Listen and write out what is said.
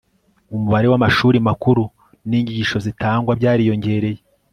umubare w'amashuri makuru n'inyigisho zitangwa byariyongereye